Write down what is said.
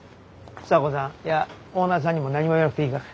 房子さんいやオーナーさんにも何も言わなくていいから。